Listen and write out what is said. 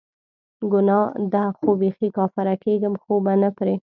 ګناه ده خو بیخي کافره کیږم خو به پری نه